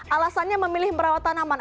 alasannya memilih merawat tanaman